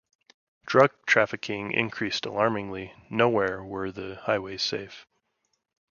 Drug trafficking increased alarmingly; nowhere were the highways safe.